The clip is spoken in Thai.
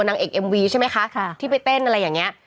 นางเอกเอ็มวีใช่ไหมคะที่ไปเต้นอะไรอย่างนี้